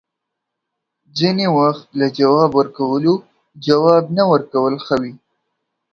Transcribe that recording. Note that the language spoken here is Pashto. ځینې وخت له جواب ورکولو، جواب نه ورکول ښه وي